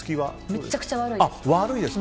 めちゃくちゃ悪いです。